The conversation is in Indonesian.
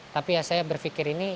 tapi ya saya berpikir ini